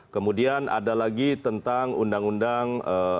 kemudian ada lagi tentang undang undang